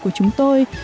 của chúng tôi